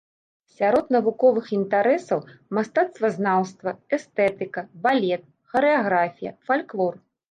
Сярод навуковых інтарэсаў мастацтвазнаўства, эстэтыка, балет, харэаграфія, фальклор.